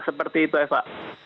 seperti itu eva